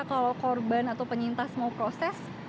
kalau korban atau penyintas mau proses